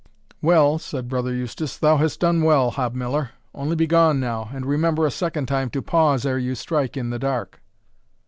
"Well!" said Brother Eustace, "thou hast done well, Hob Miller; only begone now, and remember a second time to pause, ere you strike in the dark."